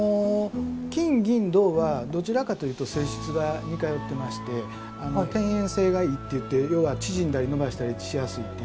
金銀銅はどちらかというと性質が似通ってまして「展延性がいい」って言って要は縮んだり延ばしたりしやすいっていう。